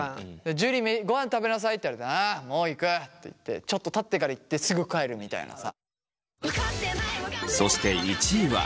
「樹ごはん食べなさい」って言われて「ああもう行く」って言ってちょっとたってから行ってすぐ帰るみたいなさ。